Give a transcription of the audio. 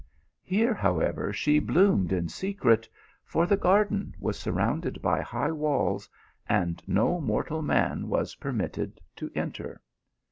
Here, however, she bloomed in secret, for the garden was surrounded by high walls, and no mortal man was permitted to enter.